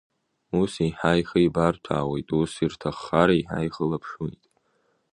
Ус еиҳа ихеибарҭәаауеит, ус, ирҭаххар, еиҳа еихылаԥшуеит.